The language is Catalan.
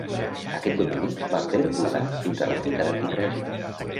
Aquest domini va perdurar fins a la fi de l'Antic Règim.